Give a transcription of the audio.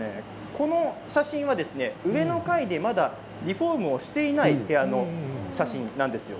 この写真は上の階でまだリフォームをしていない部屋の写真なんですよ。